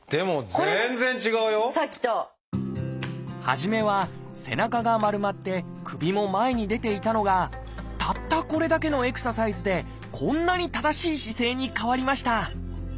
初めは背中が丸まって首も前に出ていたのがたったこれだけのエクササイズでこんなに正しい姿勢に変わりました。